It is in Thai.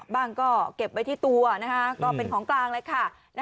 ก็เก็บไว้ที่ตัวก็เป็นของกลางเลยค่ะ